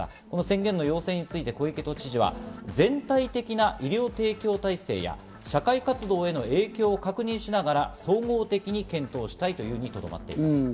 この宣言の要請について全体的な医療提供体制や社会活動への影響を確認しながら総合的に検討したいと言うにとどまっています。